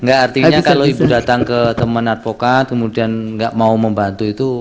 enggak artinya kalau ibu datang ke teman advokat kemudian nggak mau membantu itu